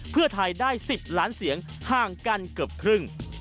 เพื่อไทยได้๑๐ล้านเสียงห่างกันเกือบครึ่ง